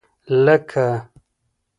لکه.